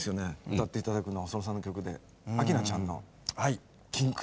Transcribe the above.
歌っていただくのは細野さんの曲で明菜ちゃんの「禁区」。